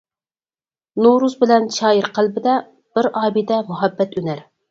نورۇز بىلەن شائىر قەلبىدە، بىر ئابىدە-مۇھەببەت ئۈنەر!